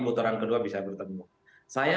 putaran kedua bisa bertemu saya